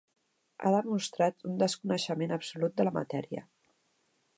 Ha demostrat un desconeixement absolut de la matèria.